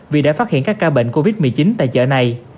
vì đã phát hiện các ca bệnh covid một mươi chín tại chợ này